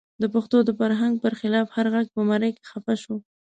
د پښتنو د فرهنګ پر خلاف هر غږ په مرۍ کې خفه شو.